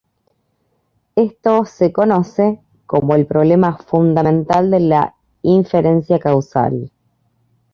Esto se conoce como "el problema fundamental de la inferencia causal".